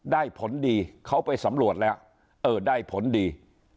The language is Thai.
ผลดีเขาไปสำรวจแล้วเออได้ผลดี